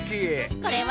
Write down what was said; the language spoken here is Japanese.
これは。